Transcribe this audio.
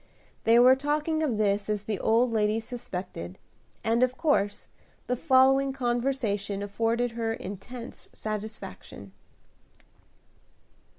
They were talking of this as the old lady suspected, and of course the following conversation afforded her intense satisfaction.